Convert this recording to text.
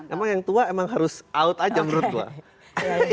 emang yang tua emang harus out aja menurut gue